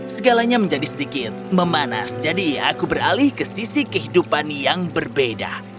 segalanya menjadi sedikit memanas jadi aku beralih ke sisi kehidupan yang berbeda